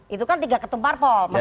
itu kan tiga ketumpar pol